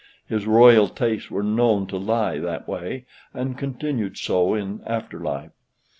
His royal tastes were known to lie that way, and continued so in after life.